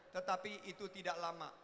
tetapi itu tidak lama